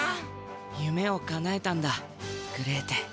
ゆめをかなえたんだグレーテ。